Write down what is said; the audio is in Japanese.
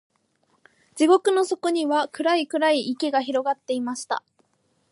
地獄の底には、暗い暗い池が広がっていました。